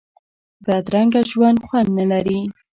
بدرنګه ژوند خوند نه لري